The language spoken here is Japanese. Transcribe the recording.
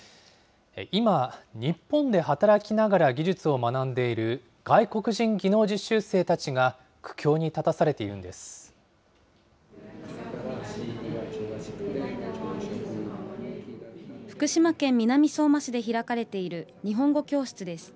今、日本で働きながら技術を学んでいる外国人技能実習生たちが苦境に立たされているんです。